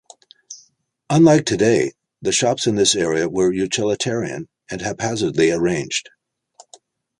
Unlike today, the shops in this area were utilitarian and haphazardly arranged.